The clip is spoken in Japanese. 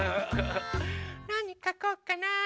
なにかこうかな。